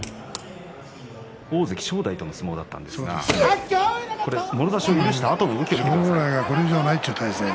大関正代との相撲だったんですがもろ差しを許したあと見てください。